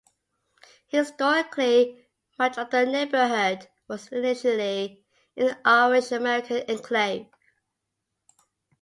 Historically, much of the neighborhood was initially an Irish-American enclave.